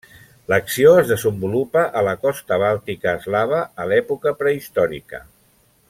L'acció es desenvolupa a la costa bàltica eslava a l'època prehistòrica.